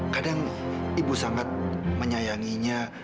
kadang ibu sangat menyayanginya